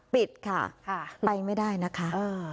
ปิดค่ะไปไม่ได้นะคะ